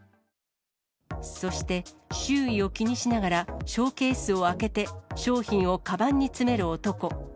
そして、周囲を気にしながらショーケースを開けて、商品をかばんに詰める男。